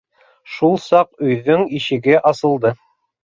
Шул саҡ өйҙөң ишеге асылды.